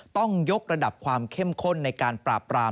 ต้องยกระดับความเข้มข้นในการปราบปราม